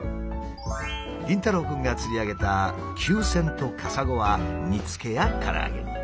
凛太郎くんが釣り上げたキュウセンとカサゴは煮つけやからあげに。